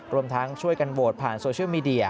รวมทั้งช่วยกันโหวตผ่านโซเชียลมีเดีย